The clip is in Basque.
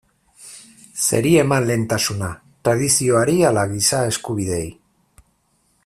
Zeri eman lehentasuna, tradizioari ala giza eskubideei?